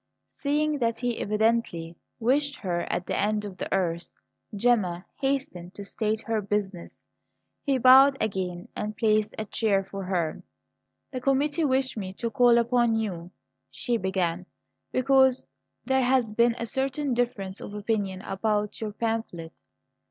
Seeing that he evidently wished her at the end of the earth, Gemma hastened to state her business. He bowed again and placed a chair for her. "The committee wished me to call upon you," she began, "because there has been a certain difference of opinion about your pamphlet."